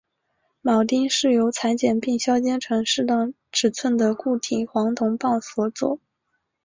铆钉是由裁切并削尖成适当尺寸的固体黄铜棒所做。